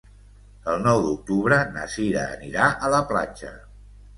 El nou d'octubre na Sira anirà a la platja.